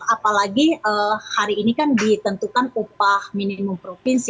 apalagi hari ini kan ditentukan upah minimum provinsi